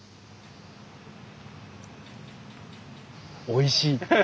おいしい。